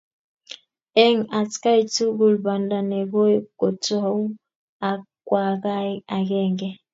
Eng atkai tugul banda nekoi kotou ak kwakwae akenge,